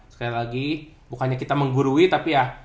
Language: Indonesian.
sekali lagi bukannya kita menggurui tapi ya